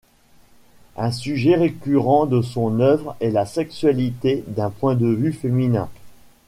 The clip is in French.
Un sujet récurrent de son oeuvre est la sexualité d’un point de vue féminin.